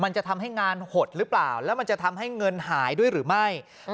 จะทำให้งานหดหรือเปล่าแล้วมันจะทำให้เงินหายด้วยหรือไม่